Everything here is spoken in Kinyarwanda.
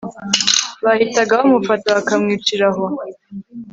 Bahitaga bamufata bakamwicira aho